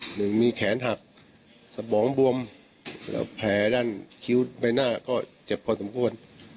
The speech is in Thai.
หนึ่งมีแขนหักสมองบวมแล้วแผลด้านคิ้วใบหน้าก็เจ็บพอสมควร